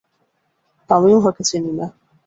আমি উহাকে চিনি না।